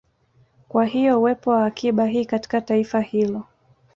Kwa hiyo uwepo wa akiba hii katika taifa hilo